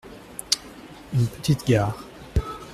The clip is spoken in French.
Une petite gare.